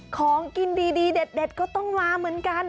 ของกินดีเด็ดก็ต้องมาเหมือนกัน